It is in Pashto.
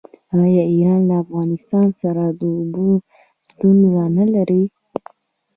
آیا ایران له افغانستان سره د اوبو ستونزه نلري؟